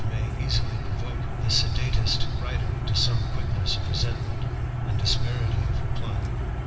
i8i inay easfly provoke the sedatest writer to some quickness of resentment and asperity of reply.